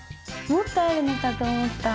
もっとあるのかと思った。